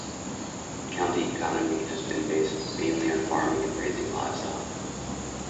The county economy has been based mainly on farming and raising livestock.